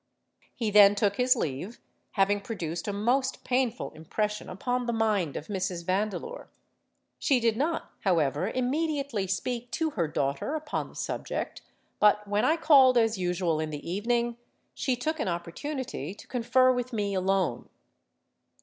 He then took his leave, having produced a most painful impression upon the mind of Mrs. Vandeleur. She did not, however, immediately speak to her daughter upon the subject; but when I called as usual in the evening, she took an opportunity to confer with me alone.